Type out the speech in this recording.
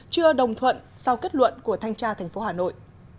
chưa đồng thuận sau kết luận của thanh tra tp hà nội